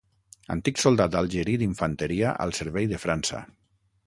Antic soldat algerí d'infanteria al servei de França.